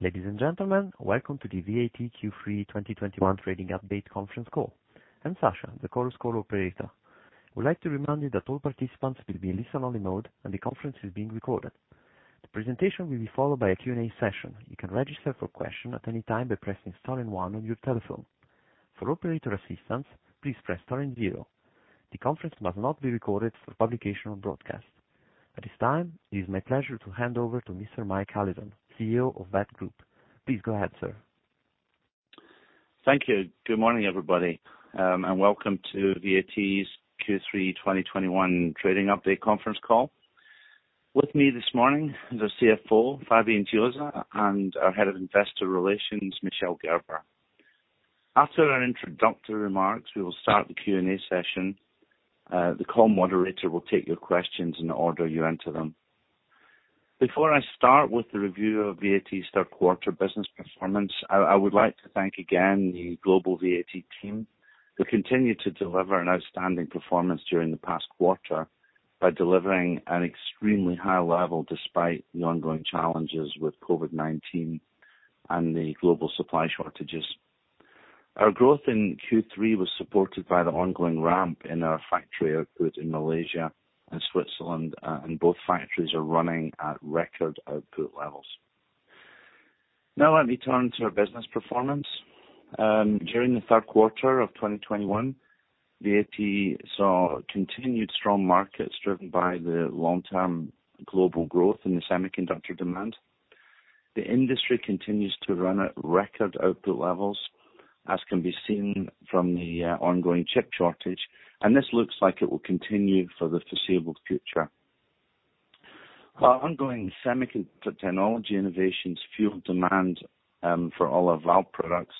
Ladies and gentlemen, welcome to the VAT Q3 2021 trading update conference call. I'm Sasha, the Chorus Call operator. We'd like to remind you that all participants will be in listen-only mode, and the conference is being recorded. The presentation will be followed by a Q&A session. You can register for question at any time by pressing star one on your telephone. For operator assistance, please press star zero. The conference must not be recorded for publication or broadcast. At this time, it is my pleasure to hand over to Mr. Mike Allison, CEO of VAT Group. Please go ahead, sir. Thank you. Good morning, everybody, and welcome to VAT's Q3 2021 trading update conference call. With me this morning is our CFO, Fabian Chiozza, and our Head of Investor Relations, Michel Gerber. After our introductory remarks, we will start the Q&A session. The call moderator will take your questions in the order you enter them. Before I start with the review of VAT's 3rd quarter business performance, I would like to thank again the global VAT team, who continued to deliver an outstanding performance during the past quarter by delivering an extremely high level despite the ongoing challenges with COVID-19 and the global supply shortages. Our growth in Q3 was supported by the ongoing ramp in our factory output in Malaysia and Switzerland. Both factories are running at record output levels. Now let me turn to our business performance. During the 3rd quarter of 2021, VAT saw continued strong markets driven by the long-term global growth in the semiconductor demand. The industry continues to run at record output levels, as can be seen from the ongoing chip shortage, and this looks like it will continue for the foreseeable future. Our ongoing semiconductor technology innovations fuel demand for all of our products.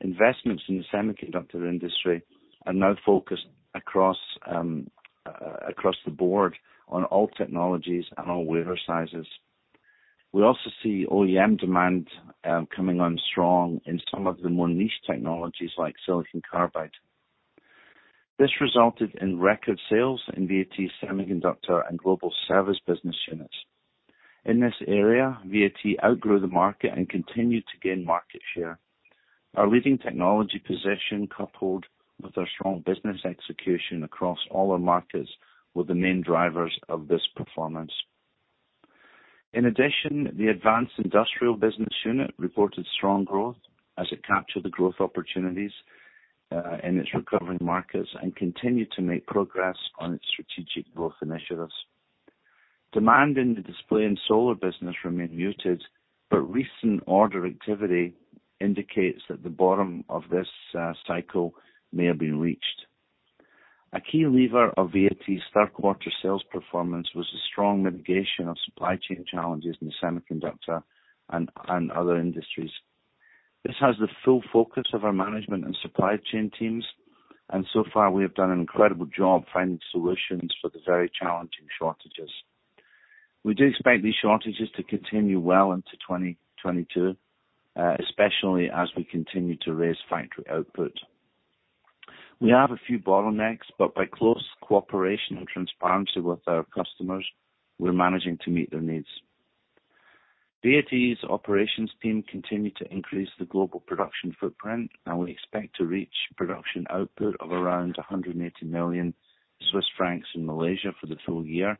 Investments in the semiconductor industry are now focused across the board on all technologies and all wafer sizes. We also see OEM demand coming on strong in some of the more niche technologies like silicon carbide. This resulted in record sales in VAT semiconductor and global service business units. In this area, VAT outgrew the market and continued to gain market share. Our leading technology position, coupled with our strong business execution across all our markets, were the main drivers of this performance. In addition, the advanced industrial business unit reported strong growth as it captured the growth opportunities in its recovering markets and continued to make progress on its strategic growth initiatives. Demand in the display and solar business remained muted, but recent order activity indicates that the bottom of this cycle may have been reached. A key lever of VAT's 3rd quarter sales performance was the strong mitigation of supply chain challenges in the semiconductor and other industries. This has the full focus of our management and supply chain teams, and so far, we have done an incredible job finding solutions for the very challenging shortages. We do expect these shortages to continue well into 2022, especially as we continue to raise factory output. We have a few bottlenecks, but by close cooperation and transparency with our customers, we're managing to meet their needs. VAT's operations team continued to increase the global production footprint. We expect to reach production output of around 180 million Swiss francs in Malaysia for the full year.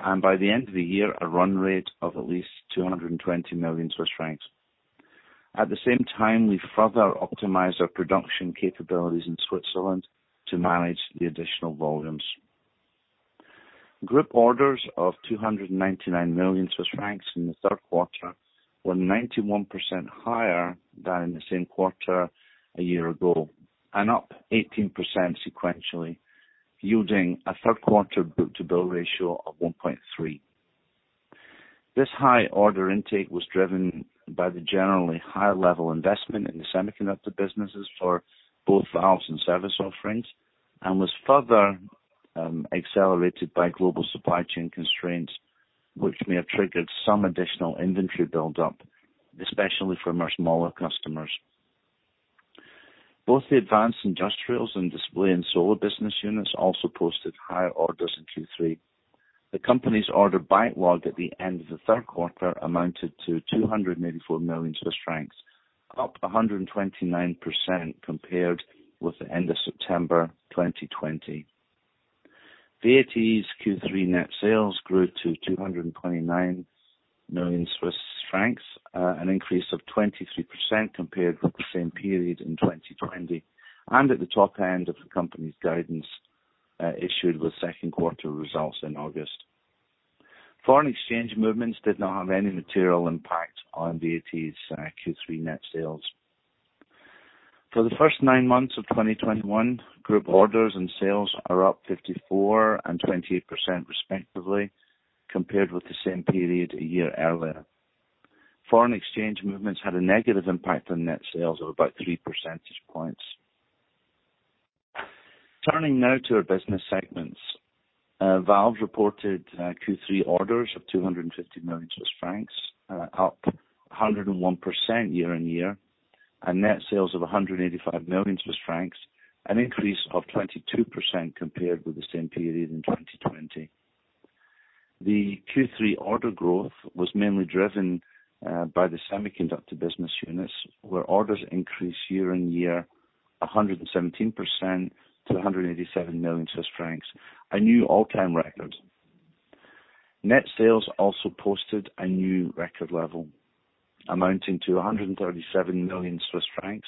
By the end of the year, a run rate of at least 220 million Swiss francs. At the same time, we further optimized our production capabilities in Switzerland to manage the additional volumes. Group orders of 299 million Swiss francs in the 3rd quarter were 91% higher than in the same quarter a year ago, and up 18% sequentially, yielding a 3rd quarter book-to-bill ratio of 1.3. This high order intake was driven by the generally high-level investment in the semiconductor businesses for both valves and service offerings, and was further accelerated by global supply chain constraints, which may have triggered some additional inventory buildup, especially for our smaller customers. Both the advanced industrials and display and solar business units also posted higher orders in Q3. The company's order backlog at the end of the 3rd quarter amounted to 284 million, up 129% compared with the end of September 2020. VAT's Q3 net sales grew to 229 million Swiss francs, an increase of 23% compared with the same period in 2020, and at the top end of the company's guidance issued with 2nd quarter results in August. Foreign exchange movements did not have any material impact on VAT's Q3 net sales. For the first nine months of 2021, group orders and sales are up 54% and 28% respectively, compared with the same period a year earlier. Foreign exchange movements had a negative impact on net sales of about 3 percentage points. Turning now to our business segments. VAT reported Q3 orders of 250 million Swiss francs, up 101% year-on-year, and net sales of 185 million Swiss francs, an increase of 22% compared with the same period in 2020. The Q3 order growth was mainly driven by the semiconductor business units, where orders increased year-on-year 117% to 187 million Swiss francs, a new all-time record. Net sales also posted a new record level, amounting to 137 million Swiss francs,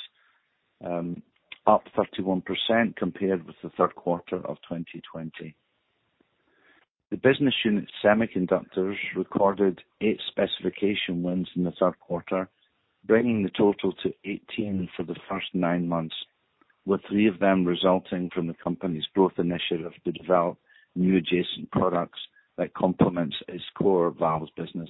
up 31% compared with the 3rd quarter of 2020. The business unit semiconductors recorded eight specification wins in the 3rd quarter, bringing the total to 18 for the first nine months, with three of them resulting from the company's growth initiative to develop new adjacent products that complements its core valves business.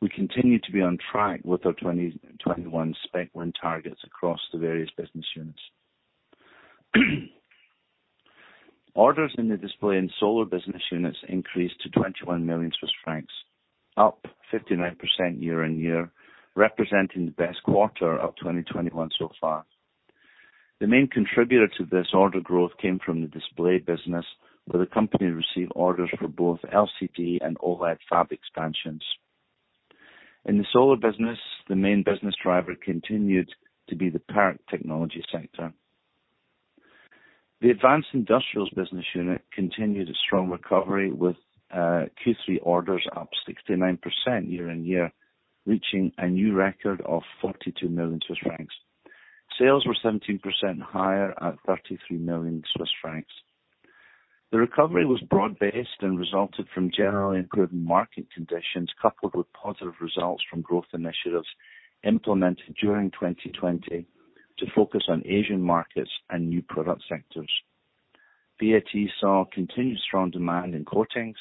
We continue to be on track with our 2021 spec win targets across the various business units. Orders in the display and solar business units increased to 21 million Swiss francs, up 59% year-on-year, representing the best quarter of 2021 so far. The main contributor to this order growth came from the display business, where the company received orders for both LCD and OLED fab expansions. In the solar business, the main business driver continued to be the PERC technology sector. The advanced industrials business unit continued a strong recovery with Q3 orders up 69% year-on-year, reaching a new record of 42 million Swiss francs. Sales were 17% higher at 33 million Swiss francs. The recovery was broad-based and resulted from generally improving market conditions, coupled with positive results from growth initiatives implemented during 2020 to focus on Asian markets and new product sectors. VAT saw continued strong demand in coatings,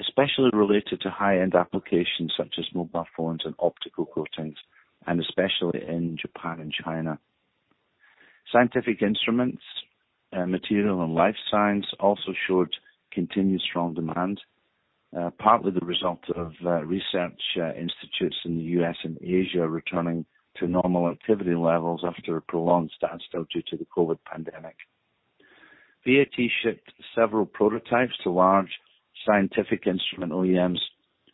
especially related to high-end applications such as mobile phones and optical coatings, and especially in Japan and China. Scientific instruments, material and life science also showed continued strong demand, partly the result of research institutes in the U.S. and Asia returning to normal activity levels after a prolonged standstill due to the COVID pandemic. VAT shipped several prototypes to large scientific instrument OEMs,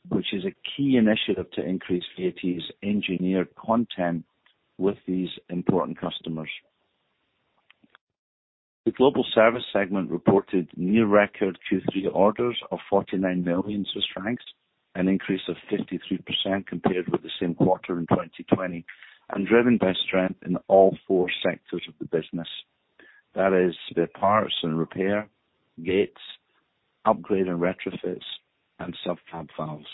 which is a key initiative to increase VAT's engineered content with these important customers. The global service segment reported new record Q3 orders of 49 million Swiss francs, an increase of 53% compared with the same quarter in 2020, and driven by strength in all four sectors of the business. That is the parts and repair, gates, upgrade and retrofits, and sub-fab valves.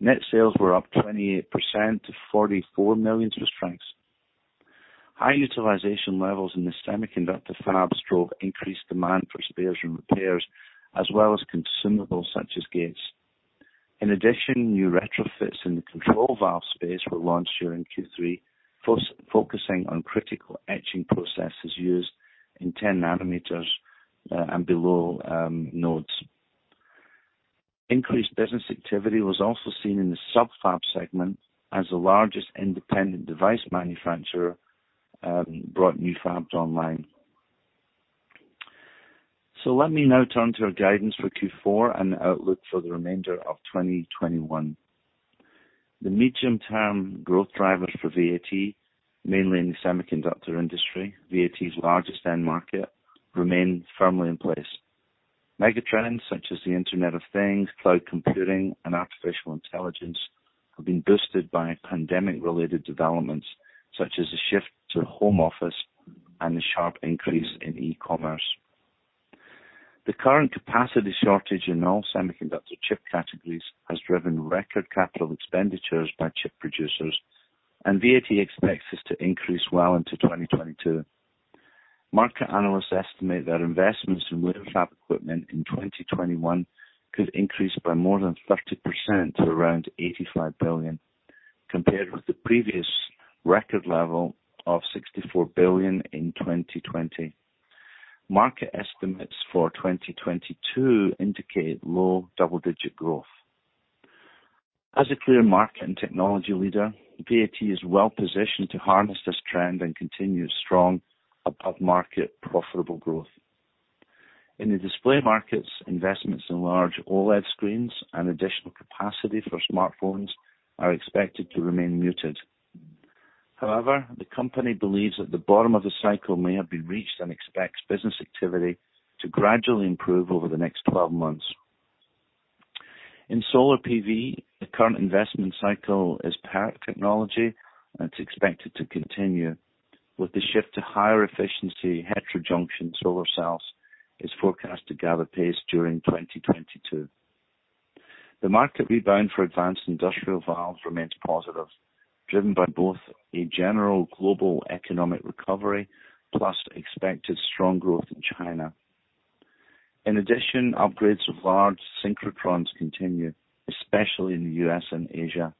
Net sales were up 28% to 44 million Swiss francs. High utilization levels in the semiconductor fabs drove increased demand for spares and repairs, as well as consumables such as gates. In addition, new retrofits in the control valve space were launched during Q3, focusing on critical etching processes used in 10 nm and below nodes. Increased business activity was also seen in the sub-fab segment as the largest independent device manufacturer brought new fabs online. Let me now turn to our guidance for Q4 and outlook for the remainder of 2021. The medium-term growth drivers for VAT, mainly in the semiconductor industry, VAT's largest end market, remain firmly in place. Megatrends such as the Internet of Things, cloud computing, and artificial intelligence have been boosted by pandemic-related developments such as the shift to home office and the sharp increase in e-commerce. The current capacity shortage in all semiconductor chip categories has driven record capital expenditures by chip producers, and VAT expects this to increase well into 2022. Market analysts estimate that investments in wafer fab equipment in 2021 could increase by more than 30% to around 85 billion, compared with the previous record level of 64 billion in 2020. Market estimates for 2022 indicate low double-digit growth. As a clear market and technology leader, VAT is well positioned to harness this trend and continue strong above-market profitable growth. In the display markets, investments in large OLED screens and additional capacity for smartphones are expected to remain muted. However, the company believes that the bottom of the cycle may have been reached and expects business activity to gradually improve over the next 12 months. In solar PV, the current investment cycle is PERC technology. It's expected to continue with the shift to higher efficiency heterojunction solar cells is forecast to gather pace during 2022. The market rebound for advanced industrial valves remains positive, driven by both a general global economic recovery plus expected strong growth in China. In addition, upgrades of large synchrotrons continue, especially in the U.S. and Asia.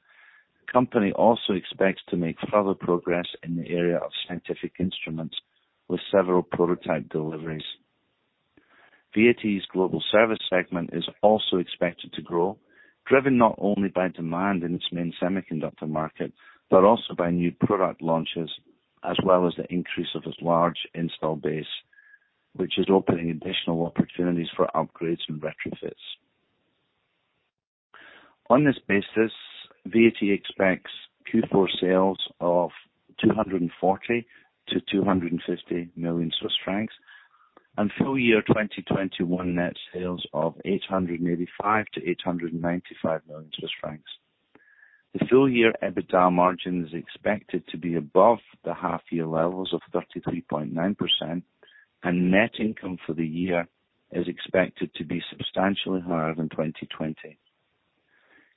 The company also expects to make further progress in the area of scientific instruments with several prototype deliveries. VAT's global service segment is also expected to grow. Driven not only by demand in its main semiconductor market, but also by new product launches, as well as the increase of its large install base, which is opening additional opportunities for upgrades and retrofits. On this basis, VAT expects Q4 sales of 240 million-250 million Swiss francs and full year 2021 net sales of 885 million-895 million Swiss francs. The full year EBITDA margin is expected to be above the half year levels of 33.9%, and net income for the year is expected to be substantially higher than 2020.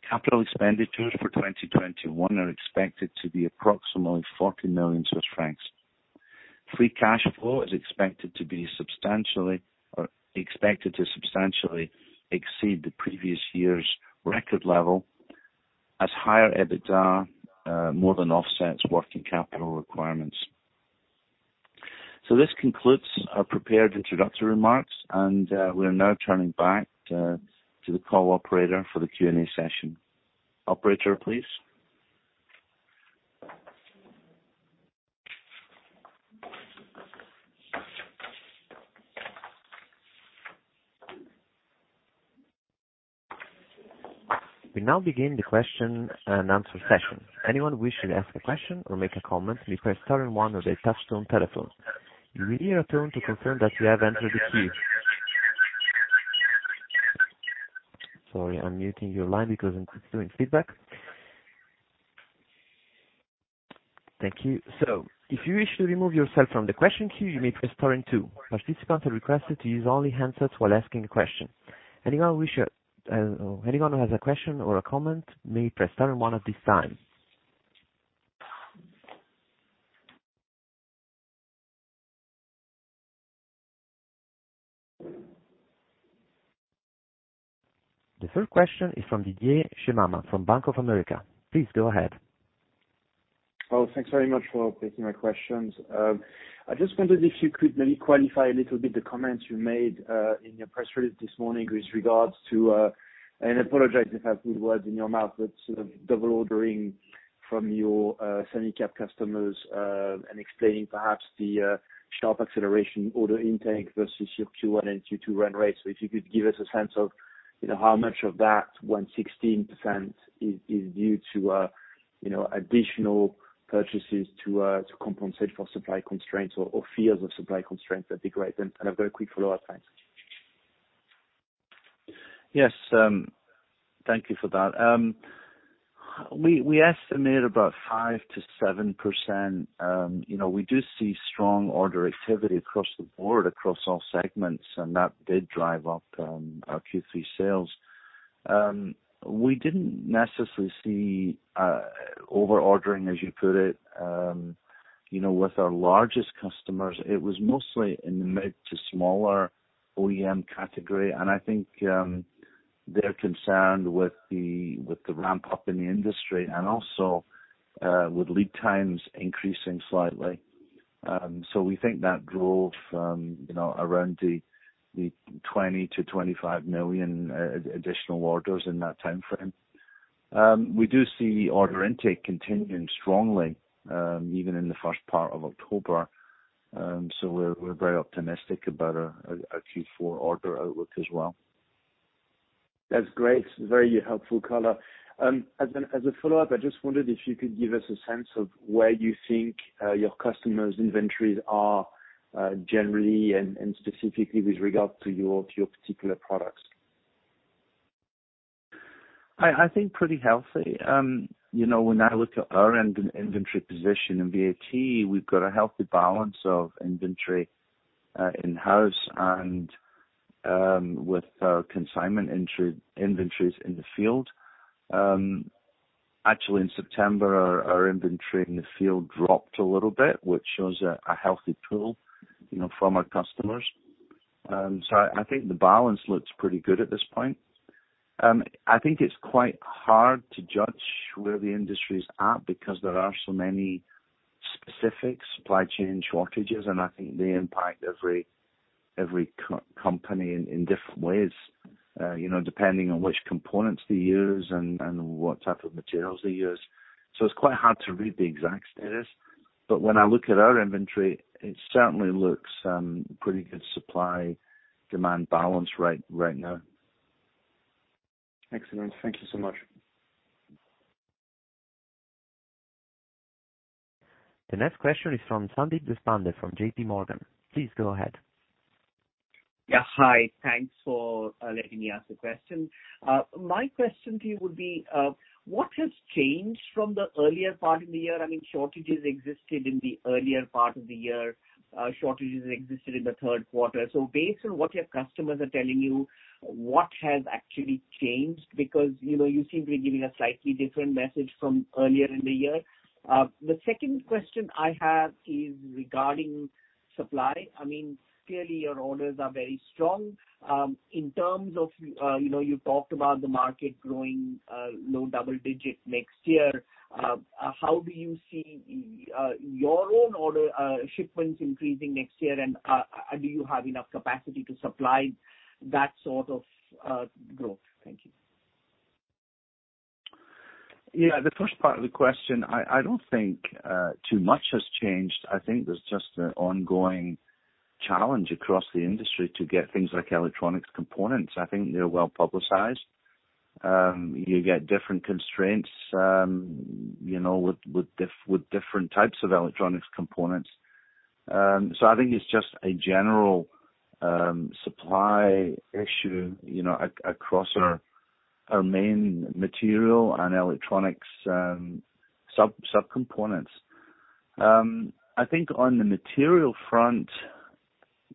Capital expenditures for 2021 are expected to be approximately 40 million Swiss francs. Free cash flow is expected to substantially exceed the previous year's record level as higher EBITDA more than offsets working capital requirements. This concludes our prepared introductory remarks, and we are now turning back to the call operator for the Q&A session. Operator, please. We now begin the question-and-answer session. Anyone wishing to ask a question or make a comment, please press star one of your touchtone telephone. You will hear a tone to confirm that you have entered the queue. Sorry, I'm muting your line because it's doing feedback. Thank you. If you wish to remove yourself from the question queue, you may press star two. Participants are requested to use only handsets while asking a question. Anyone who has a question or a comment may press star one at this time. The 1st question is from Didier Scemama from Bank of America. Please go ahead. Oh, thanks very much for taking my questions. I just wondered if you could maybe qualify a little bit the comments you made in your press release this morning with regards to, and I apologize if I put words in your mouth, but sort of double ordering from your semi-cap customers, and explaining perhaps the sharp acceleration order intake versus your Q1 and Q2 run rate. If you could give us a sense of how much of that, when 16% is due to additional purchases to compensate for supply constraints or fears of supply constraints, that'd be great. A very quick follow-up. Thanks. Yes. Thank you for that. We estimate about 5%-7%. We do see strong order activity across the board, across all segments, that did drive up our Q3 sales. We didn't necessarily see over-ordering, as you put it, with our largest customers. It was mostly in the mid to smaller OEM category, and I think they're concerned with the ramp-up in the industry and also with lead times increasing slightly. We think that drove from around the 20 million-25 million additional orders in that timeframe. We do see order intake continuing strongly, even in the 1st part of October. We're very optimistic about our Q4 order outlook as well. That's great. Very helpful color. As a follow-up, I just wondered if you could give us a sense of where you think your customers' inventories are generally and specifically with regard to your particular products. I think pretty healthy. When I look at our end inventory position in VAT, we've got a healthy balance of inventory in-house and with our consignment inventories in the field. Actually, in September, our inventory in the field dropped a little bit, which shows a healthy pull from our customers. I think the balance looks pretty good at this point. I think it's quite hard to judge where the industry is at because there are so many specific supply chain shortages, and I think they impact every company in different ways, depending on which components they use and what type of materials they use. It's quite hard to read the exact status, but when I look at our inventory, it certainly looks pretty good supply/demand balance right now. Excellent. Thank you so much. The next question is from Sandeep Deshpande from JPMorgan. Please go ahead. Yeah. Hi. Thanks for letting me ask the question. My question to you would be, what has changed from the earlier part in the year? I mean shortages existed in the earlier part of the year. Shortages existed in the 3rd quarter. Based on what your customers are telling you, what has actually changed? Because you seem to be giving a slightly different message from earlier in the year. The 2nd question I have is regarding supply. I mean, clearly your orders are very strong. In terms of, you talked about the market growing low double digits next year. How do you see your own order shipments increasing next year, and do you have enough capacity to supply that sort of growth? Thank you. The first part of the question, I don't think too much has changed. I think there's just an ongoing challenge across the industry to get things like electronics components. I think they're well-publicized. You get different constraints with different types of electronics components. I think it's just a general supply issue across our main material and electronics sub-components. I think on the material front,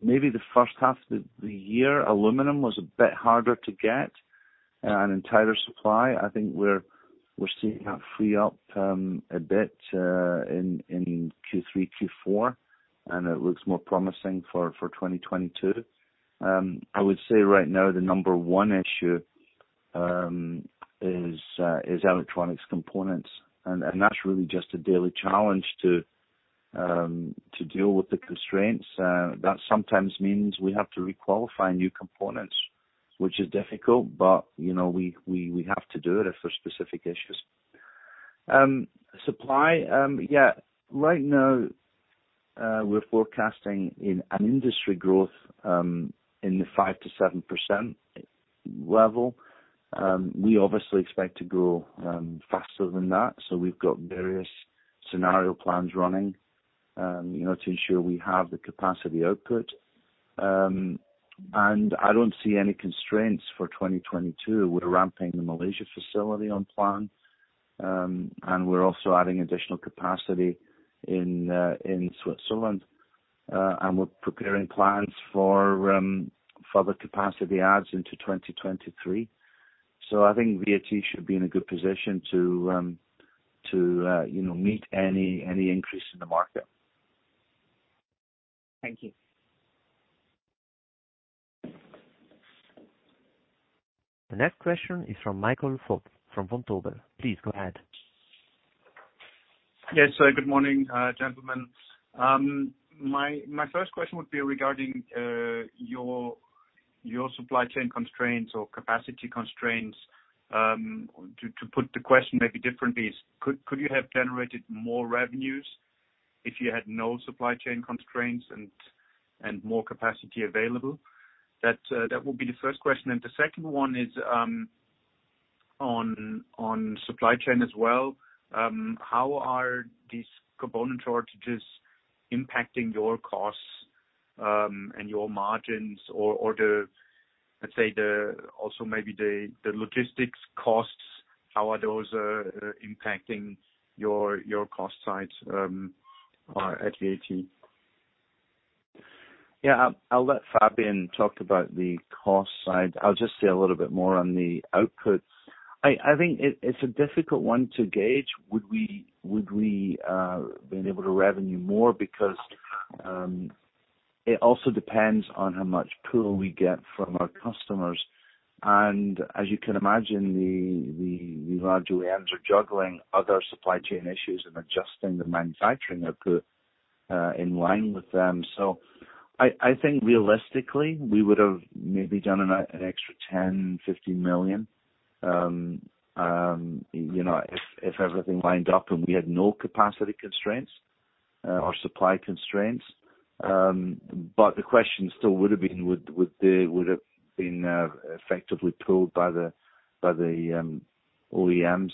maybe the 1st half of the year, aluminum was a bit harder to get and in tighter supply, I think we're seeing that free up a bit in Q3, Q4, and it looks more promising for 2022. I would say right now the number one issue is electronics components, and that's really just a daily challenge to deal with the constraints. That sometimes means we have to re-qualify new components, which is difficult, but we have to do it if there's specific issues. Supply, yeah, right now, we're forecasting in an industry growth in the 5%-7% level. We obviously expect to grow faster than that, so we've got various scenario plans running to ensure we have the capacity output. I don't see any constraints for 2022. We're ramping the Malaysia facility on plan, and we're also adding additional capacity in Switzerland. We're preparing plans for further capacity adds into 2023. I think VAT should be in a good position to meet any increase in the market. Thank you. The next question is from Michael Foeth from Vontobel. Please go ahead. Yes. Good morning, gentlemen. My first question would be regarding your supply chain constraints or capacity constraints. To put the question maybe differently is, could you have generated more revenues if you had no supply chain constraints and more capacity available? That would be the first question. The second one is on supply chain as well. How are these component shortages impacting your costs and your margins or let's say also maybe the logistics costs? How are those impacting your cost side at VAT? Yeah, I'll let Fabian talk about the cost side. I'll just say a little bit more on the output. I think it's a difficult one to gauge. Would we have been able to revenue more because it also depends on how much pull we get from our customers. As you can imagine, the larger OEMs are juggling other supply chain issues and adjusting the manufacturing output in line with them. I think realistically, we would have maybe done an extra 10 million, 15 million if everything lined up and we had no capacity constraints or supply constraints. The question still would have been, would it have been effectively pulled by the OEMs?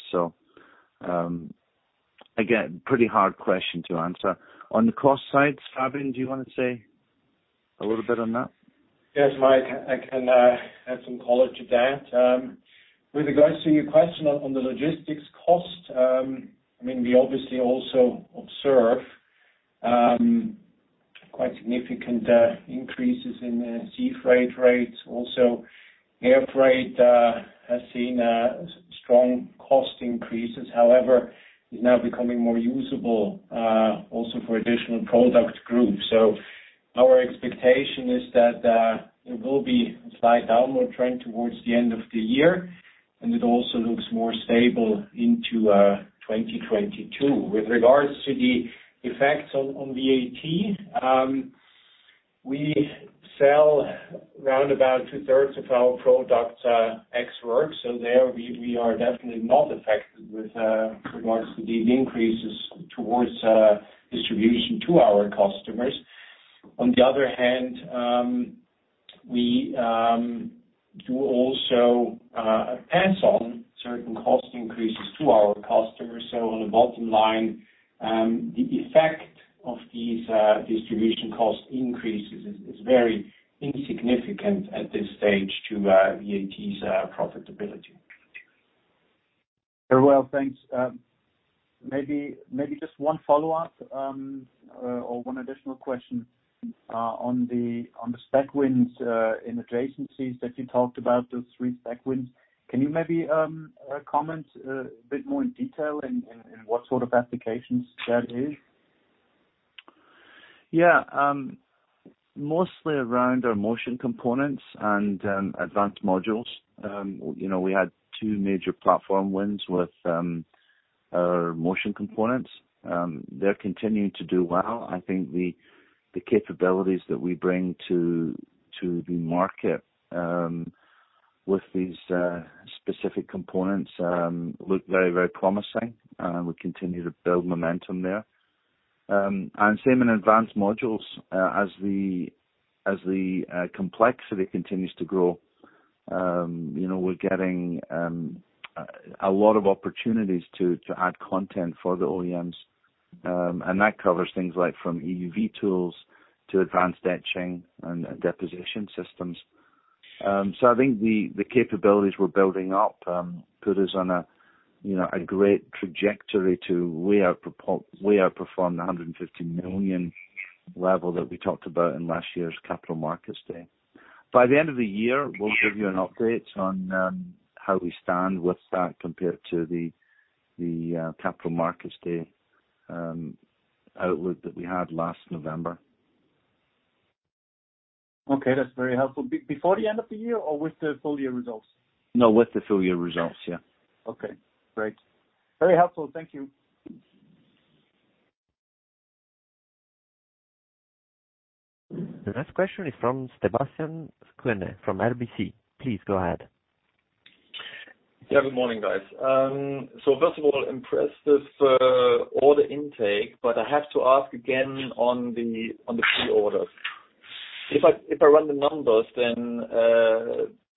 Again, pretty hard question to answer. On the cost side, Fabian, do you want to say a little bit on that? Yes, Mike, I can add some color to that. With regards to your question on the logistics cost, we obviously also observe quite significant increases in sea freight rates. Also, air freight has seen strong cost increases, however, is now becoming more usable also for additional product groups. Our expectation is that there will be a slight downward trend towards the end of the year, and it also looks more stable into 2022. With regards to the effects on VAT, we sell roundabout 2/3s of our products ex-works. There we are definitely not affected with regards to the increases towards distribution to our customers. On the other hand, we do also pass on certain cost increases to our customers. On the bottom line, the effect of these distribution cost increases is very insignificant at this stage to VAT's profitability. Very well. Thanks. Maybe just one follow-up or one additional question on the specification wins in adjacencies that you talked about, those three specification wins. Can you maybe comment a bit more in detail in what sort of applications that is? Yeah. Mostly around our motion components and advanced modules. We had two major platform wins with our motion components. They're continuing to do well. I think the capabilities that we bring to the market with these specific components look very promising, and we continue to build momentum there. Same in advanced modules. As the complexity continues to grow, we're getting a lot of opportunities to add content for the OEMs. That covers things like from EUV tools to advanced etching and deposition systems. I think the capabilities we're building up put us on a great trajectory to way outperform the 150 million level that we talked about in last year's Capital Markets Day. By the end of the year, we'll give you an update on how we stand with that compared to the Capital Markets Day outlook that we had last November. Okay, that's very helpful. Before the end of the year or with the full year results? No, with the full year results. Yeah. Okay, great. Very helpful. Thank you. The next question is from Sebastian Kuenne from RBC. Please go ahead. Good morning, guys. First of all, impressive order intake, but I have to ask again on the pre-orders. If I run the numbers, then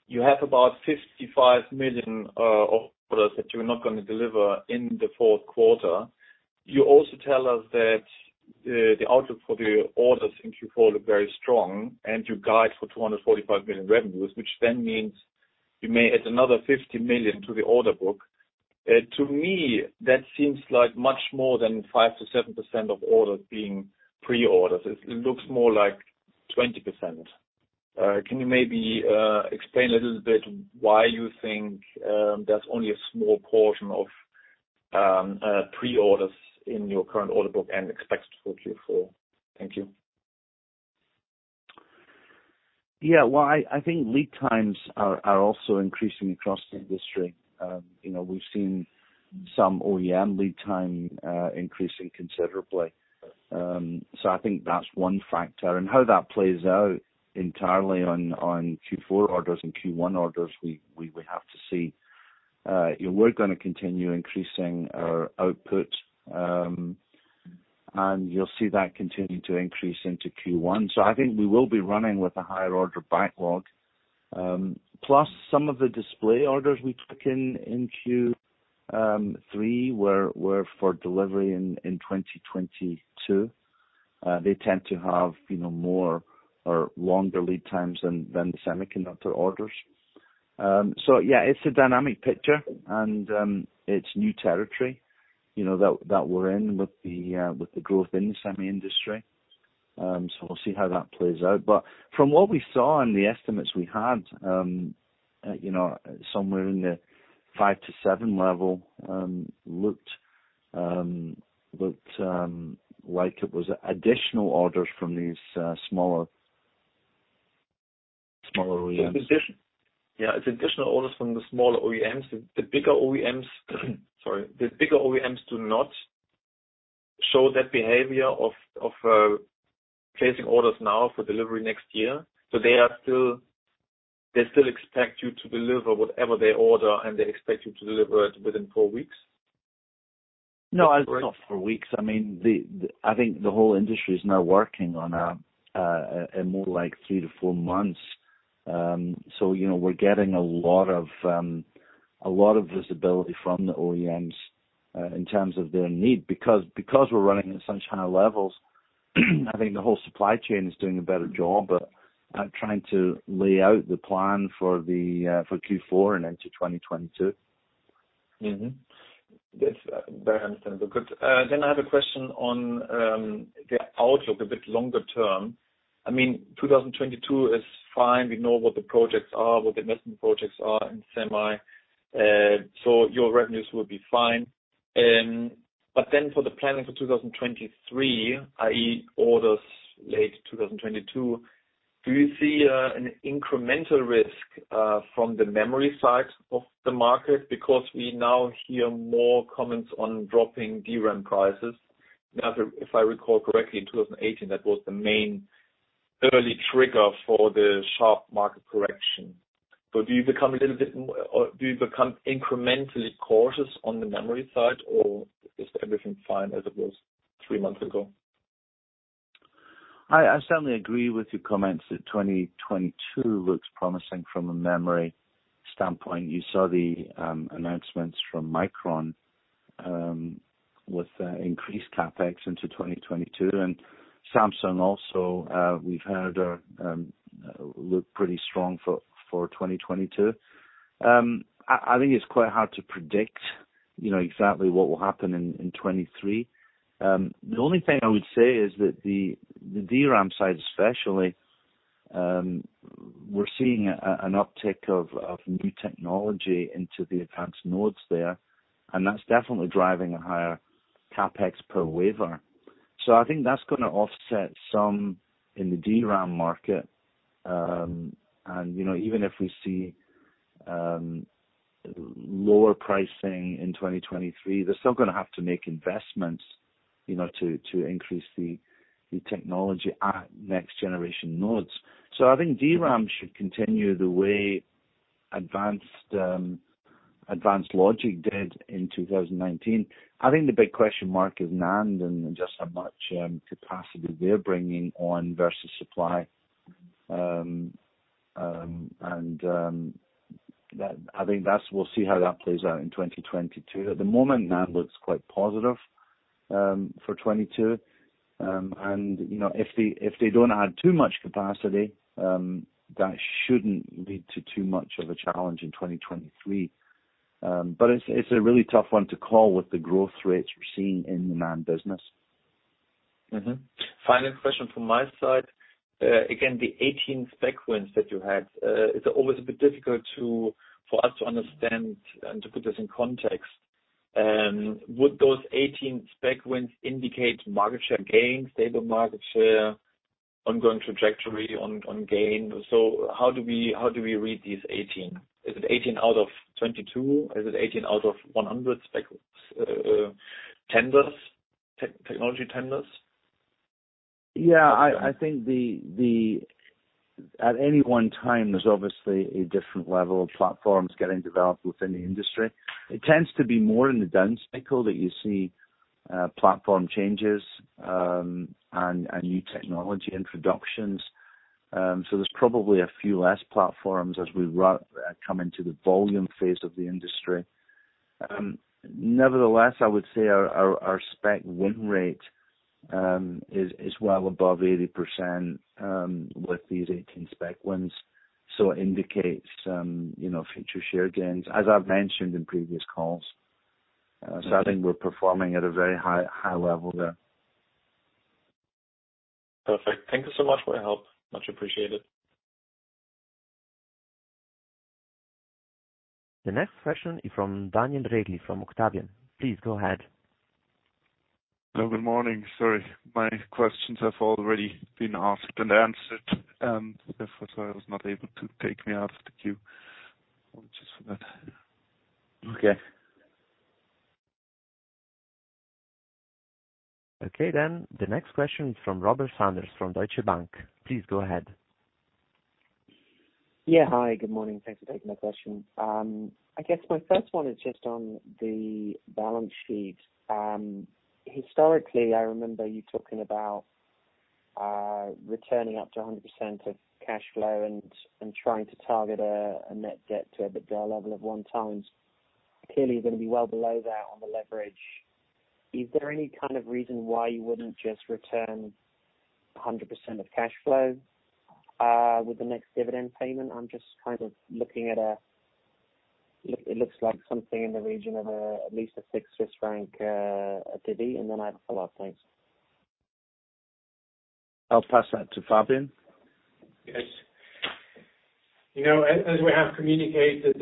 you have about 55 million orders that you're not going to deliver in the fourth quarter. You also tell us that the outlook for the orders in Q4 look very strong, and you guide for 245 million revenues, which then means you may add another 50 million to the order book. To me, that seems like much more than 5%-7% of orders being pre-orders. It looks more like 20%. Can you maybe explain a little bit why you think there's only a small portion of pre-orders in your current order book and expect for Q4? Thank you. Well, I think lead times are also increasing across the industry. We've seen some OEM lead time increasing considerably. I think that's one factor. How that plays out entirely on Q4 orders and Q1 orders, we would have to see. We're going to continue increasing our output, and you'll see that continuing to increase into Q1. I think we will be running with a higher order backlog. Some of the display orders we took in in Q3 were for delivery in 2022. They tend to have more or longer lead times than the semiconductor orders. It's a dynamic picture and it's new territory that we're in with the growth in the semi industry. We'll see how that plays out. From what we saw and the estimates we had, somewhere in the 5-7 level looked like it was additional orders from these smaller OEMs. Yeah. It's additional orders from the smaller OEMs. Sorry. The bigger OEMs do not show that behavior of placing orders now for delivery next year. They still expect you to deliver whatever they order, and they expect you to deliver it within four weeks? No, not four weeks. I think the whole industry is now working on a more like three-four months. We're getting a lot of visibility from the OEMs in terms of their need. We're running at such higher levels, I think the whole supply chain is doing a better job at trying to lay out the plan for Q4 and into 2022. That's very understandable. Good. I have a question on the outlook a bit longer term. 2022 is fine. We know what the projects are, what the investment projects are in semi. Your revenues will be fine. For the planning for 2023, i.e., orders late 2022, do you see an incremental risk from the memory side of the market? We now hear more comments on dropping DRAM prices. If I recall correctly, in 2018, that was the main early trigger for the sharp market correction. Do you become incrementally cautious on the memory side, or is everything fine as it was three months ago? I certainly agree with your comments that 2022 looks promising from a memory standpoint. You saw the announcements from Micron with increased CapEx into 2022, Samsung also, we've heard are look pretty strong for 2022. I think it's quite hard to predict exactly what will happen in 2023. The only thing I would say is that the DRAM side especially, we're seeing an uptick of new technology into the advanced nodes there, and that's definitely driving a higher CapEx per wafer. I think that's going to offset some in the DRAM market. Even if we see lower pricing in 2023, they're still going to have to make investments to increase the technology at next generation nodes. I think DRAM should continue the way advanced logic did in 2019. I think the big question mark is NAND and just how much capacity they're bringing on versus supply. I think we'll see how that plays out in 2022. At the moment, NAND looks quite positive for 2022. If they don't add too much capacity, that shouldn't lead to too much of a challenge in 2023. It's a really tough one to call with the growth rates we're seeing in the NAND business. Final question from my side. The 18 specification wins that you had, it is always a bit difficult for us to understand and to put this in context. Would those 18 specification wins indicate market share gains, stable market share, ongoing trajectory on gains? How do we read these 18? Is it 18 out of 22? Is it 18 out of 100 spec tenders, technology tenders? Yeah, I think at any one time, there's obviously a different level of platforms getting developed within the industry. It tends to be more in the down cycle that you see platform changes, and new technology introductions. There's probably a few less platforms as we come into the volume phase of the industry. Nevertheless, I would say our spec win rate is well above 80% with these 18 specification wins. It indicates future share gains, as I've mentioned in previous calls. I think we're performing at a very high level there. Perfect. Thank you so much for your help. Much appreciated. The next question is from Daniel Regli from Octavian. Please go ahead. Hello. Good morning. Sorry, my questions have already been asked and answered, and therefore, so I was not able to take me out of the queue. Apologies for that. Okay. Okay. The next question is from Robert Sanders from Deutsche Bank. Please go ahead. Hi, good morning. Thanks for taking my question. I guess my first one is just on the balance sheet. Historically, I remember you talking about returning up to 100% of cash flow and trying to target a net debt to EBITDA level of one times. Clearly, you're going to be well below that on the leverage. Is there any kind of reason why you wouldn't just return 100% of cash flow with the next dividend payment? I'm just kind of looking at it looks like something in the region of at least a 6 Swiss franc dividend. I have a follow-up. Thanks. I'll pass that to Fabian. Yes. As we have communicated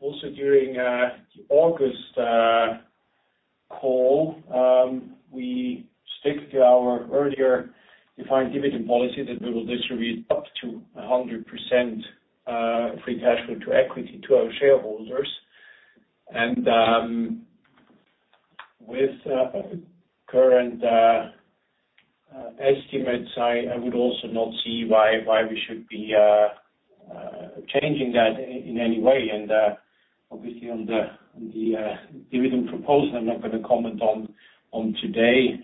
also during the August call, we stick to our earlier defined dividend policy that we will distribute up to 100% free cash flow to equity to our shareholders. With current estimates, I would also not see why we should be changing that in any way. Obviously on the dividend proposal, I'm not going to comment on today.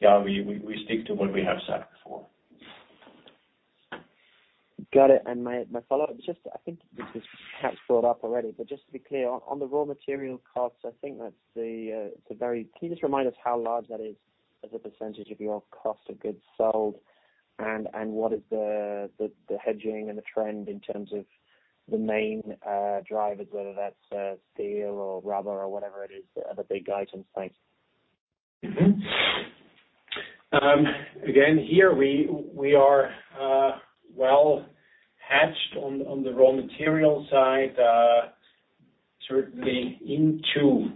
Yeah, we stick to what we have said before. Got it. My follow-up, I think this was perhaps brought up already, but just to be clear. On the raw material costs, can you just remind us how large that is as a percentage of your cost of goods sold? What is the hedging and the trend in terms of the main drivers, whether that's steel or rubber or whatever it is, the big items? Thanks. Here we are well hedged on the raw material side, certainly into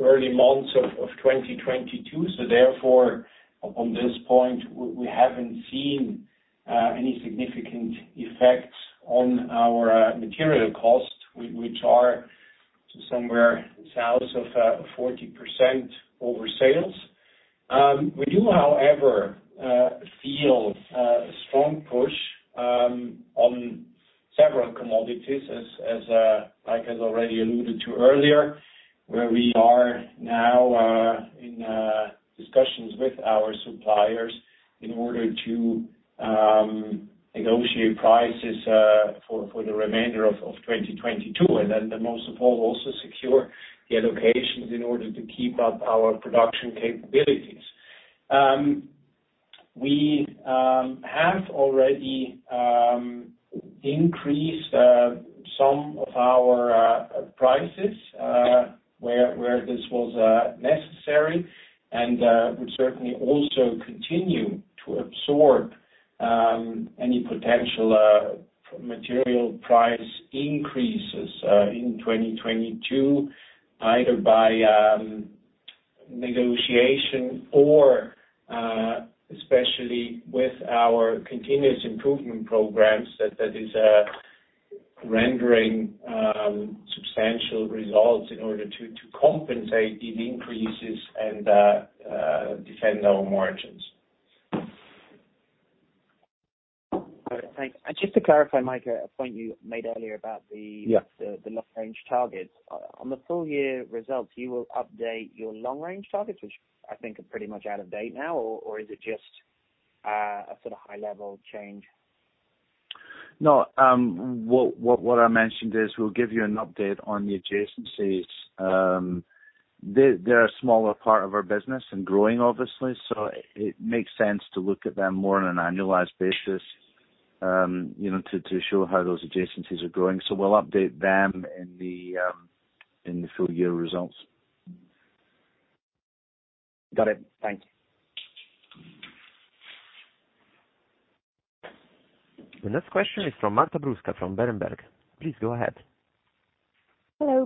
early months of 2022. Therefore, up on this point, we haven't seen any significant effects on our material costs, which are somewhere south of 40% over sales. We do, however, feel a strong push on several commodities. Mike has already alluded to earlier, where we are now in discussions with our suppliers in order to negotiate prices for the remainder of 2022. Most of all, also secure the allocations in order to keep up our production capabilities. We have already increased some of our prices, where this was necessary and would certainly also continue to absorb any potential material price increases in 2022, either by negotiation or especially with our continuous improvement programs, that is rendering substantial results in order to compensate the increases and defend our margins. All right. Thanks. Just to clarify, Mike, a point you made earlier about. Yeah the long range targets. On the full year results, you will update your long range targets, which I think are pretty much out of date now, or is it just a sort of high level change? What I mentioned is we'll give you an update on the adjacencies. They're a smaller part of our business and growing, obviously. It makes sense to look at them more on an annualized basis, to show how those adjacencies are growing. We'll update them in the full year results. Got it. Thank you. The next question is from Marta Bruska, from Berenberg. Please go ahead.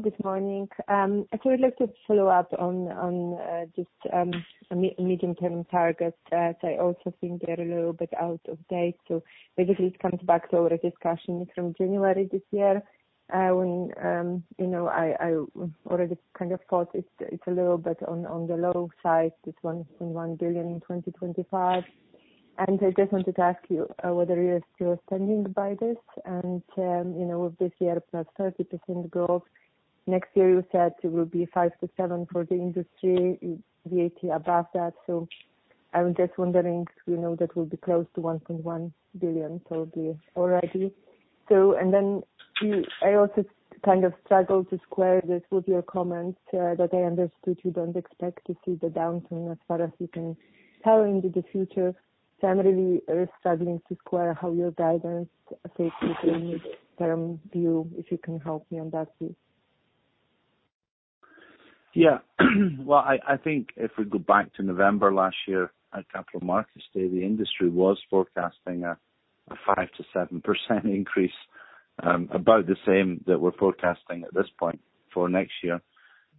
Hello, good morning. I would like to follow up on just medium term targets, as I also think they're a little bit out of date. It comes back to our discussion from January this year, when I already kind of thought it's a little bit on the low side, this 1.1 billion in 2025. I just wanted to ask you whether you are still standing by this. With this year, +30% growth, next year you said it will be 5%-7% for the industry, VAT above that. I'm just wondering, that will be close to 1.1 billion probably already. I also kind of struggle to square this with your comments that I understood you don't expect to see the downturn as far as you can tell into the future. I'm really struggling to square how your guidance fits with the medium term view. If you can help me on that, please. Yeah. Well, I think if we go back to November last year at Capital Markets Day, the industry was forecasting a 5%-7% increase, about the same that we're forecasting at this point for next year.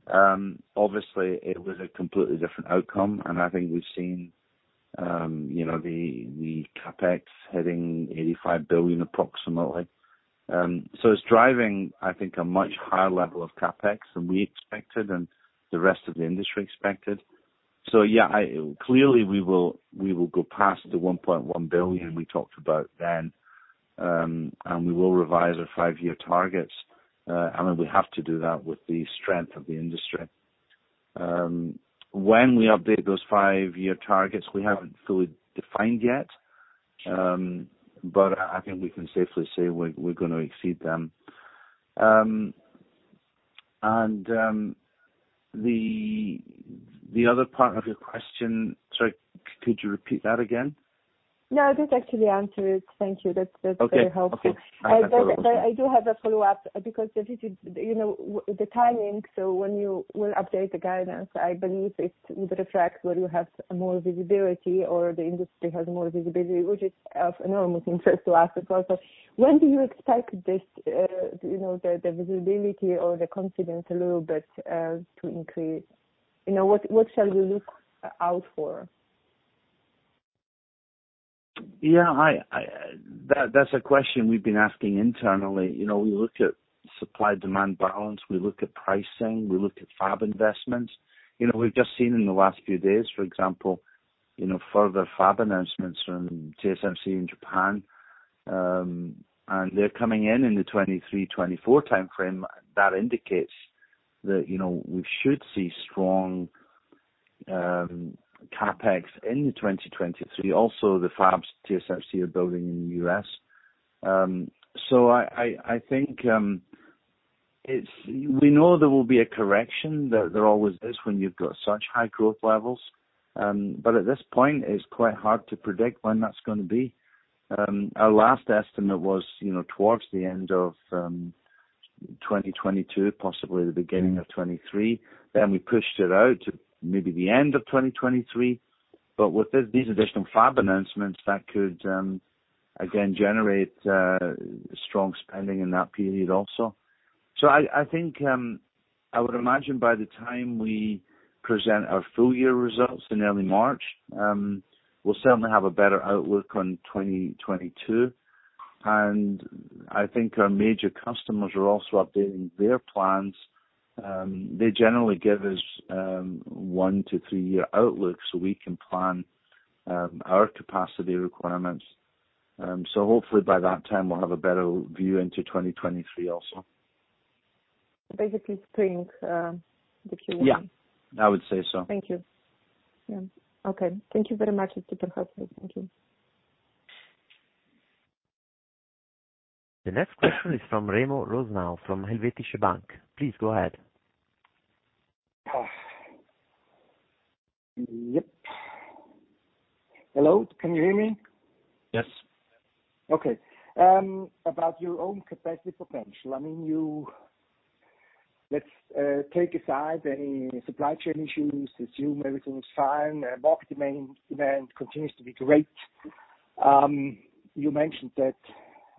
Obviously, it was a completely different outcome, I think we've seen the CapEx hitting 85 billion approximately. It's driving, I think, a much higher level of CapEx than we expected and the rest of the industry expected. Yeah, clearly we will go past the 1.1 billion we talked about then, we will revise our five-year targets. I mean, we have to do that with the strength of the industry. When we update those five-year targets, we haven't fully defined yet. I think we can safely say we're going to exceed them. The other part of your question, sorry, could you repeat that again? No, it is actually answered. Thank you. That's very helpful. Okay. No problem. I do have a follow-up, because the timing, when you will update the guidance, I believe it would reflect whether you have more visibility or the industry has more visibility, which is of enormous interest to us as well. When do you expect the visibility or the confidence a little bit to increase? What shall we look out for? Yeah. That's a question we've been asking internally. We look at supply-demand balance. We look at pricing. We look at fab investments. We've just seen in the last few days, for example, further fab announcements from TSMC in Japan. They're coming in in the 2023, 2024 timeframe. That indicates that we should see strong CapEx in the 2023. The fabs TSMC are building in the U.S. I think we know there will be a correction. There always is when you've got such high growth levels. At this point, it's quite hard to predict when that's going to be. Our last estimate was towards the end of 2022, possibly the beginning of 2023. We pushed it out to maybe the end of 2023. With these additional fab announcements, that could again generate strong spending in that period also. I think, I would imagine by the time we present our full year results in early March, we'll certainly have a better outlook on 2022. I think our major customers are also updating their plans. They generally give us one-three year outlooks so we can plan our capacity requirements. Hopefully by that time we'll have a better view into 2023 also. Basically spring, the Q1. Yeah, I would say so. Thank you. Yeah. Okay. Thank you very much. It is super helpful. Thank you. The next question is from Remo Rosenau, from Helvetische Bank. Please go ahead. Yep. Hello, can you hear me? Yes. About your own capacity potential, I mean, let's take aside any supply chain issues, assume everything is fine. Market demand continues to be great. You mentioned that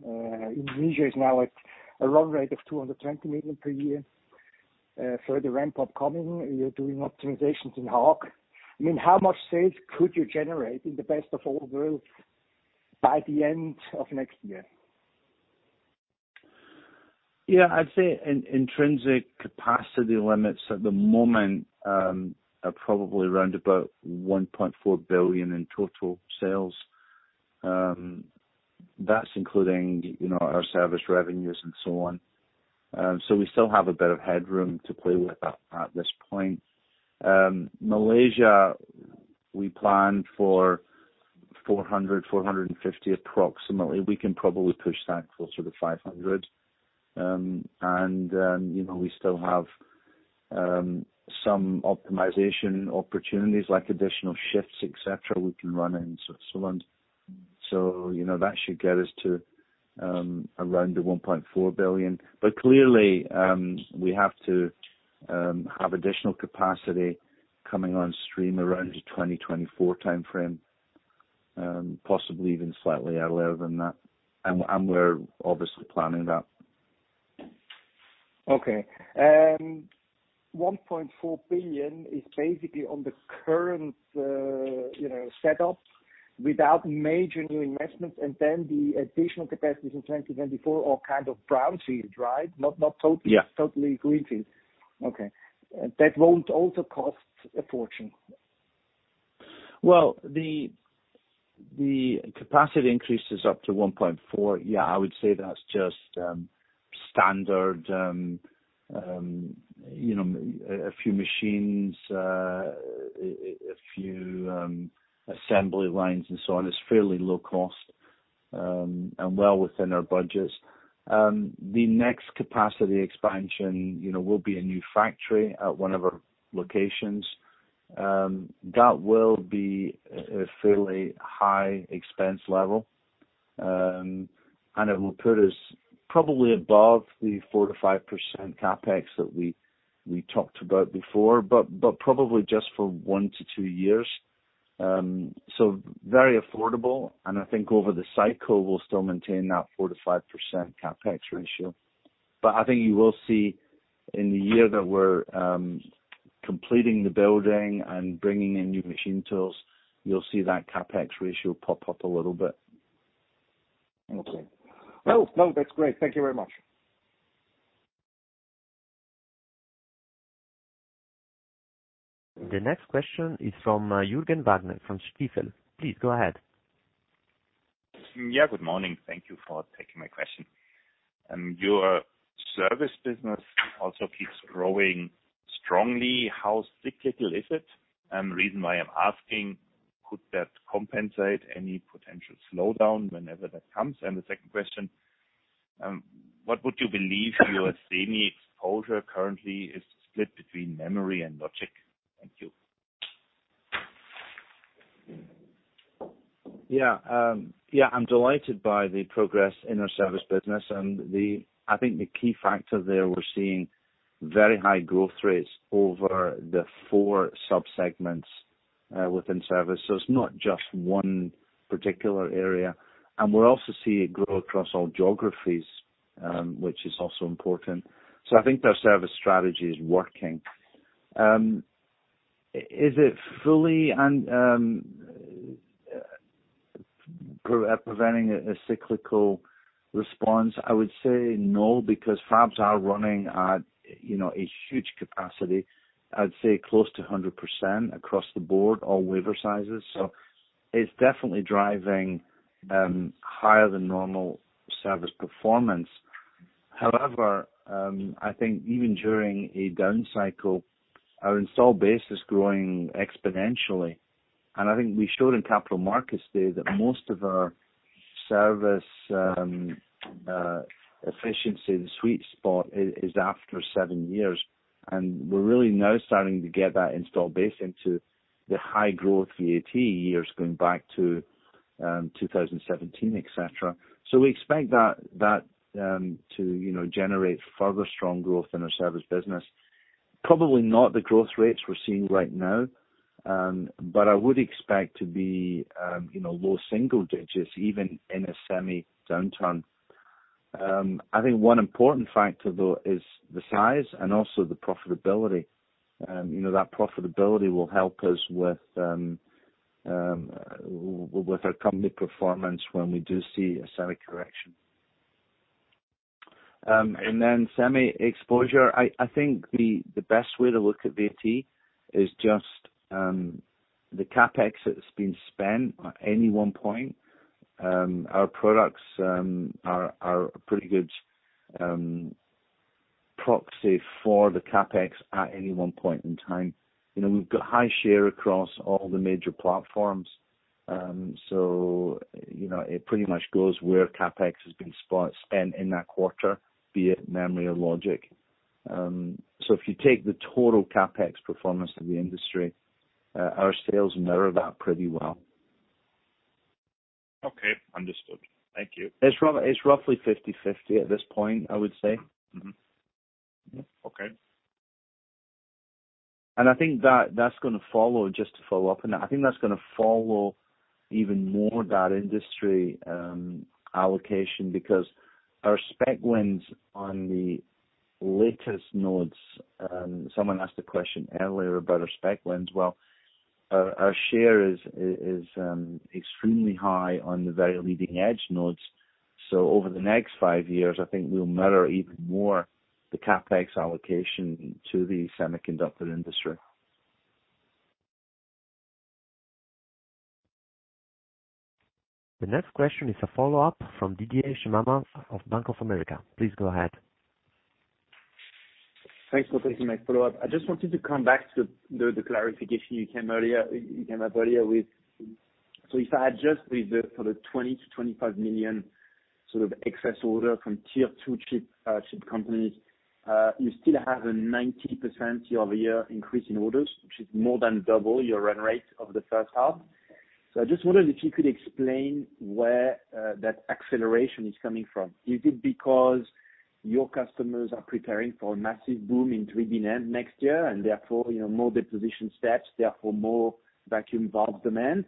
Malaysia is now at a run rate of 220 million per year. Further ramp-up coming. You're doing optimizations in Haag. How much sales could you generate in the best of all worlds by the end of next year? Yeah, I'd say intrinsic capacity limits at the moment are probably around about 1.4 billion in total sales. That's including our service revenues and so on. We still have a bit of headroom to play with at this point. Malaysia, we planned for 400, 450 approximately. We can probably push that closer to 500. We still have some optimization opportunities, like additional shifts, et cetera, we can run in Switzerland. That should get us to around the 1.4 billion. Clearly, we have to have additional capacity coming on stream around the 2024 timeframe, possibly even slightly earlier than that. We're obviously planning that. Okay. 1.4 billion is basically on the current setup without major new investments, and then the additional capacities in 2024 are kind of brownfield, right? Not totally. Yeah totally greenfield. Okay. That won't also cost a fortune. Well, the capacity increases up to 1.4 billion. Yeah, I would say that is just standard. A few machines, a few assembly lines and so on. It is fairly low cost, and well within our budgets. The next capacity expansion will be a new factory at one of our locations. That will be a fairly high expense level. It will put us probably above the 4%-5% CapEx that we talked about before, but probably just for one-two years. Very affordable, and I think over the cycle, we will still maintain that 4%-5% CapEx ratio. I think you will see in the year that we are completing the building and bringing in new machine tools, you will see that CapEx ratio pop up a little bit. Okay. No, that's great. Thank you very much. The next question is from Jürgen Wagner from Stifel. Please go ahead. Yeah, good morning. Thank you for taking my question. Your service business also keeps growing strongly. How cyclical is it? Reason why I'm asking, could that compensate any potential slowdown whenever that comes? The 2nd question, what would you believe your semi exposure currently is split between memory and logic? Thank you. Yeah. I'm delighted by the progress in our service business. I think the key factor there, we're seeing very high growth rates over the four sub-segments within service. It's not just one particular area. We're also seeing it grow across all geographies, which is also important. I think our service strategy is working. Is it fully preventing a cyclical response? I would say no, because fabs are running at a huge capacity. I'd say close to 100% across the board, all wafer sizes. It's definitely driving higher than normal service performance. However, I think even during a down cycle, our install base is growing exponentially. I think we showed in Capital Markets Day that most of our service efficiency, the sweet spot, is after seven years. We're really now starting to get that install base into the high growth VAT years going back to 2017, et cetera. We expect that to generate further strong growth in our service business. Probably not the growth rates we're seeing right now, but I would expect to be low single digits even in a semi downturn. I think one important factor, though, is the size and also the profitability. That profitability will help us with our company performance when we do see a semi correction. Then semi exposure, I think the best way to look at VAT is just the CapEx that's been spent at any one point. Our products are a pretty good proxy for the CapEx at any one point in time. We've got high share across all the major platforms. It pretty much goes where CapEx has been spent in that quarter, be it memory or logic. If you take the total CapEx performance of the industry, our sales mirror that pretty well. Okay. Understood. Thank you. It's roughly 50/50 at this point, I would say. Okay. I think that's going to follow, just to follow up on that, I think that's going to follow even more that industry allocation because our specification wins on the latest nodes. Someone asked a question earlier about our specification wins. Well, our share is extremely high on the very leading-edge nodes. Over the next five years, I think we'll mirror even more the CapEx allocation to the semiconductor industry. The next question is a follow-up from Didier Scemama of Bank of America. Please go ahead. Thanks for taking my follow-up. I just wanted to come back to the clarification you came up earlier with. If I adjust for the 20 million-25 million sort of excess order from tier 2 chip companies, you still have a 90% year-over-year increase in orders, which is more than double your run rate of the 1st half. I just wondered if you could explain where that acceleration is coming from. Is it because your customers are preparing for a massive boom in 3D NAND next year and therefore more deposition steps, therefore more vacuum valve demand?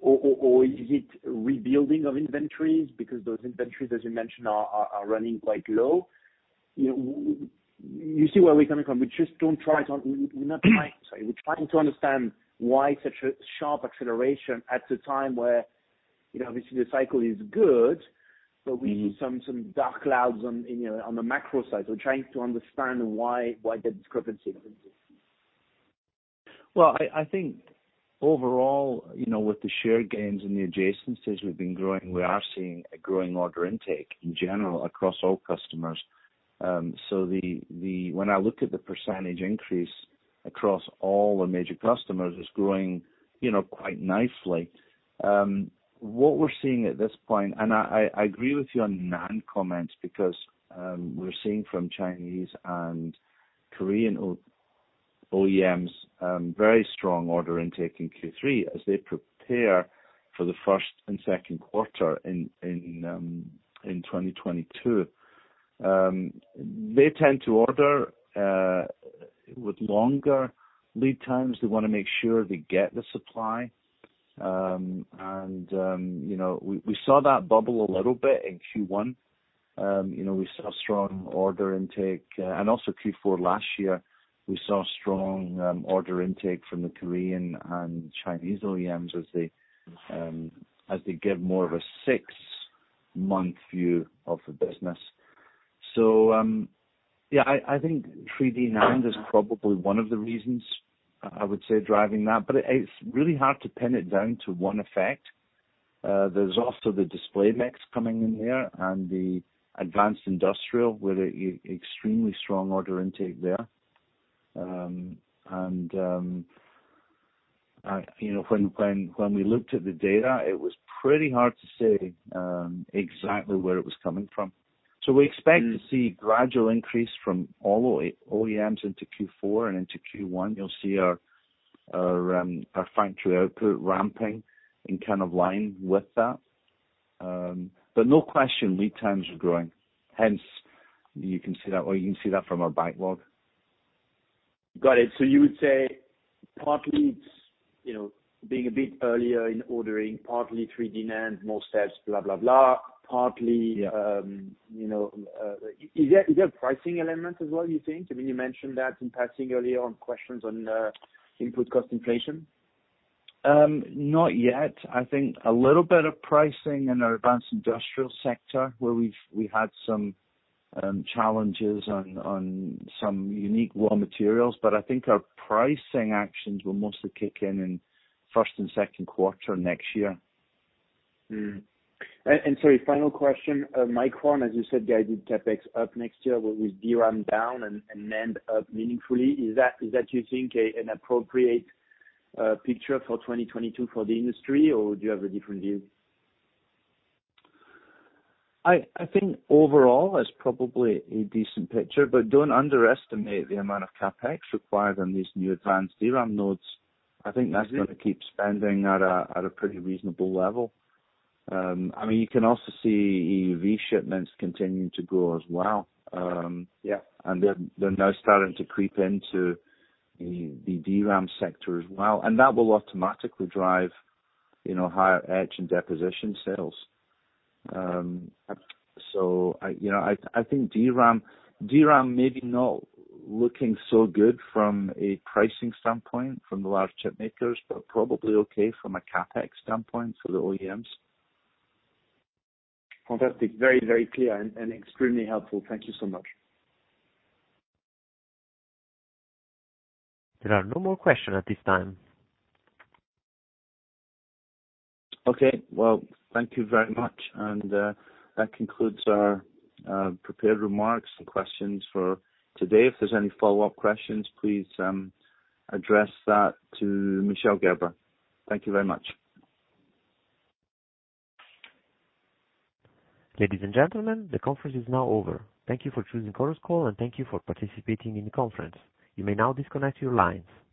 Or is it rebuilding of inventories because those inventories, as you mentioned, are running quite low? You see where we're coming from? We're trying to understand why such a sharp acceleration at a time where obviously the cycle is good, but we see some dark clouds on the macro side. We're trying to understand why the discrepancy exists. Well, I think overall, with the share gains and the adjacencies we've been growing, we are seeing a growing order intake in general across all customers. When I look at the percentage increase across all our major customers, it's growing quite nicely. What we're seeing at this point, I agree with your NAND comments because we're seeing from Chinese and Korean OEMs very strong order intake in Q3 as they prepare for the 1st and 2nd quarter in 2022. They tend to order with longer lead times. They want to make sure they get the supply. We saw that bubble a little bit in Q1. We saw strong order intake. Also Q4 last year, we saw strong order intake from the Korean and Chinese OEMs as they give more of a six-month view of the business. Yeah, I think 3D NAND is probably 1 of the reasons I would say driving that, but it's really hard to pin it down to one effect. There's also the display mix coming in there and the advanced industrial with extremely strong order intake there. When we looked at the data, it was pretty hard to say exactly where it was coming from. We expect to see gradual increase from all OEMs into Q4 and into Q1. You'll see our factory output ramping in kind of line with that. No question, lead times are growing. Hence, you can see that from our backlog. Got it. You would say partly it's being a bit earlier in ordering, partly 3D NAND, more steps, blah, blah. Yeah. Is there a pricing element as well, you think? I mean, you mentioned that in passing earlier on questions on input cost inflation. Not yet. I think a little bit of pricing in our advanced industrial sector where we had some challenges on some unique raw materials. I think our pricing actions will mostly kick in 1st and 2nd quarter next year. Sorry, final question. Micron, as you said, guided CapEx up next year with DRAM down and NAND up meaningfully. Is that you think an appropriate picture for 2022 for the industry or do you have a different view? I think overall it's probably a decent picture, don't underestimate the amount of CapEx required on these new advanced DRAM nodes. I think that's going to keep spending at a pretty reasonable level. I mean, you can also see EUV shipments continuing to grow as well. Yeah. They're now starting to creep into the DRAM sector as well. That will automatically drive higher etch and deposition sales. I think DRAM maybe not looking so good from a pricing standpoint from the large chip makers, but probably okay from a CapEx standpoint for the OEMs. Fantastic. Very, very clear and extremely helpful. Thank you so much. There are no more questions at this time. Okay. Well, thank you very much. That concludes our prepared remarks and questions for today. If there is any follow-up questions, please address that to Michel Gerber. Thank you very much. Ladies and gentlemen, the conference is now over. Thank you for choosing Chorus Call, and thank you for participating in the conference. You may now disconnect your lines.